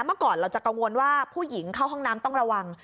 เมื่อก่อนเราจะกังวลว่าผู้หญิงเข้าห้องน้ำต้องระวัง